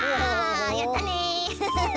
やったね！